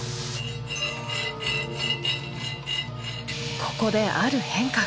ここである変化が。